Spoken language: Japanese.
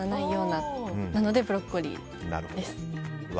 なのでブロッコリーです。